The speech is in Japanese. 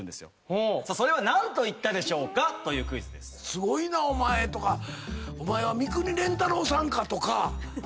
「すごいなお前」とか「お前は三國連太郎さんか」とか。